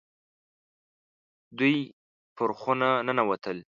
دوی پر خونه ننوتل.